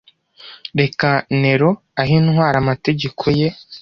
reka nero ahe intwaro amategeko ye